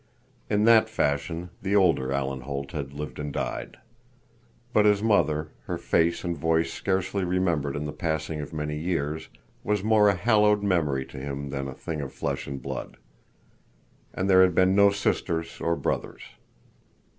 In that fashion the older Alan Holt had lived and died. But his mother, her face and voice scarcely remembered in the passing of many years, was more a hallowed memory to him than a thing of flesh and blood. And there had been no sisters or brothers.